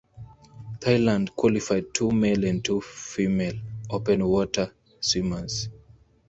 Thailand qualified two male and two female open water swimmers.